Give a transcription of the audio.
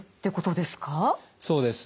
そうです。